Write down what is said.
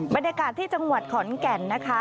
บรรยากาศที่จังหวัดขอนแก่นนะคะ